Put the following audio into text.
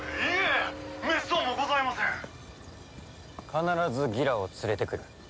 必ずギラを連れてくる。